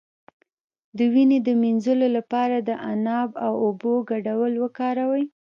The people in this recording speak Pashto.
د وینې د مینځلو لپاره د عناب او اوبو ګډول وکاروئ